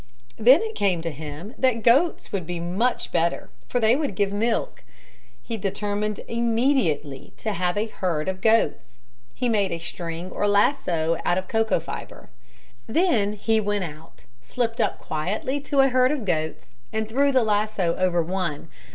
Then it came to him that goats would be much better, for they would give milk. He determined immediately to have a herd of goats. He made a string or lasso out of cocoa fibre. Then he went out, slipped up quietly to a herd of goats and threw the lasso over one.